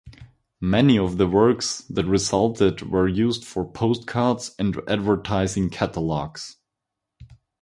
Many of the works that resulted were used for postcards and advertising catalogs.